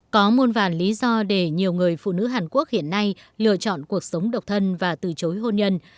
có muôn vàn lý do để nhiều người phụ nữ hàn quốc hiện nay lựa chọn cuộc sống độc thân và từ chối hôn nhân